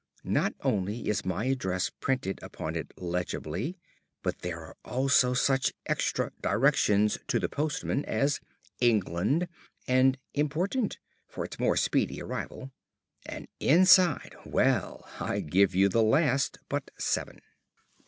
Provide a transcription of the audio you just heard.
Not only is my address printed upon it legibly, but there are also such extra directions to the postman as "England" and "Important" for its more speedy arrival. And inside well, I give you the last but seven.